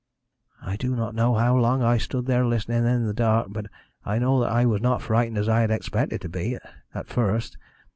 "I do not know how long I stood there listening in the dark, but I know that I was not as frightened as I had expected to be at first.